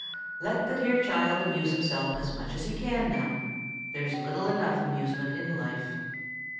"Let the dear child amuse himself as much as he can now. There's little enough amusement in life."